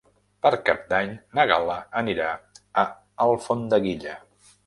Per Cap d'Any na Gal·la anirà a Alfondeguilla.